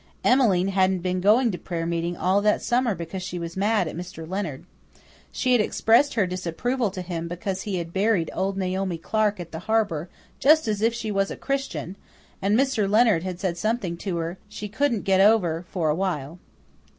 Emmeline hadn't been going to prayer meeting all that summer because she was mad at Mr. Leonard. She had expressed her disapproval to him because he had buried old Naomi Clark at the harbour "just as if she was a Christian," and Mr. Leonard had said something to her she couldn't get over for a while.